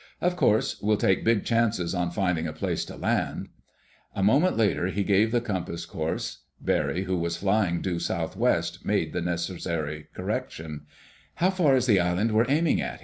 Of course, we'll take big chances on finding a place to land." A moment later he gave the compass course. Barry, who was flying due southwest, made the necessary correction. "How far is the island we're aiming at?"